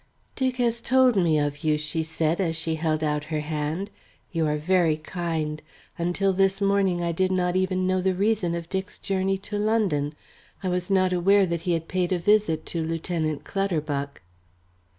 "Dick has told me of you," she said, as she held out her hand. "You are very kind. Until this morning I did not even know the reason of Dick's journey to London. I was not aware that he had paid a visit to Lieutenant Clutterbuck."